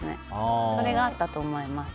それがあったと思います。